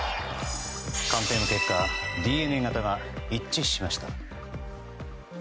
鑑定の結果からＤＮＡ型が一致しました。